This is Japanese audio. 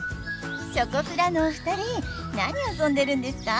チョコプラのお二人何遊んでるんですか？